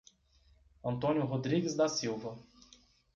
Antônio Rodrigues da Silva